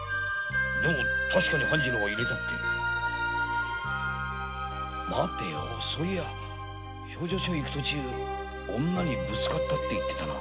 でも半次郎は確かに入れたって待てよ評定所へ行く途中女にぶつかったって言ってたな。